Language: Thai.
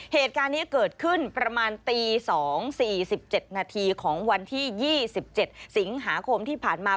เหตุการณ์นี้เกิดขึ้นประมาณตี๒๔๗นาทีของวันที่๒๗สิงหาคมที่ผ่านมา